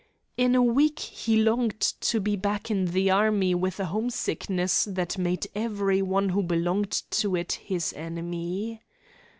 In a week he longed to be back in the army with a homesickness that made every one who belonged to it his enemy.